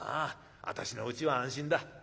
私のうちは安心だ。